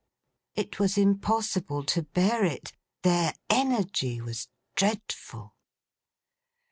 It was impossible to bear it; their energy was dreadful.